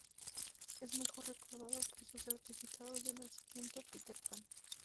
Es mejor recordado por sus certificados de nacimiento 'Peter Pan'.